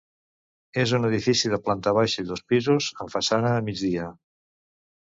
És un edifici de planta baixa i dos pisos, amb façana a migdia.